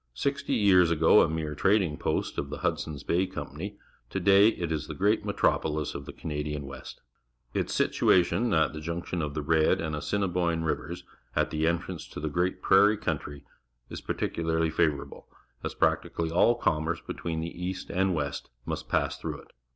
Sixty years ago a mere trading post of the Hudson's Bay Company, to day it is the great metropoUs of the Cana dian West. Its situation at the junc tion of thp_ Tied and__ A ssiniboine Rivers . at the entrance to the great prairie country is pe cuUarly favourable, as practic ally^ll com merce between the EastjindjtlieJVV^estjnjjijt pass through it.